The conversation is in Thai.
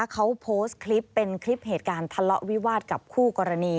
เขาโพสต์คลิปเป็นคลิปเหตุการณ์ทะเลาะวิวาสกับคู่กรณี